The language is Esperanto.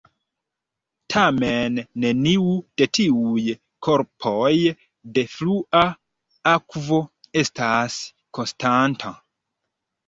Tamen neniu de tiuj korpoj de flua akvo estas konstanta.